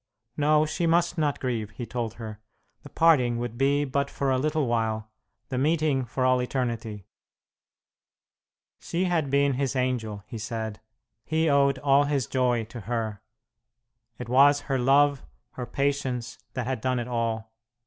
No, she must not grieve, he told her; the parting would be but for a little while, the meeting for all eternity. She had been his angel, he said; he owed all his joy to her. It was her love, her patience, that had done it all.